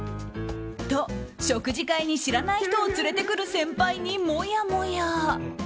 と食事会に知らない人を連れてくる先輩にもやもや。